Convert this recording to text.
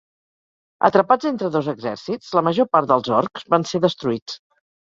Atrapats entre dos exèrcits, la major part dels orcs van ser destruïts.